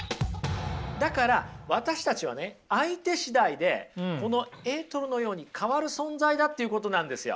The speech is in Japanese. だから私たちはね相手しだいでこのエートルのように変わる存在だということなんですよ。